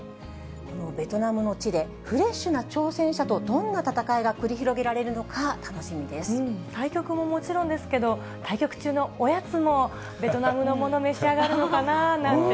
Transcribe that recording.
このベトナムの地で、フレッシュな挑戦者とどんな戦いが繰り広げられるのか、楽しみで対局ももちろんですけど、対局中のおやつもベトナムのもの、召し上がるのかななんて、